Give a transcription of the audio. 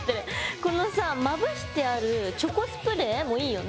このさまぶしてあるチョコスプレーもいいよね。